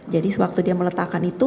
jadi sewaktu dia meletakkan itu